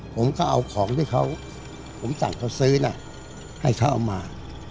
ผมก็เอาของที่เขาผมสั่งเขาซื้อนะให้เขาเอามา